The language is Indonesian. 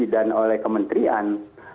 dan oleh kementerian